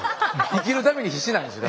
生きるために必死なんですよ。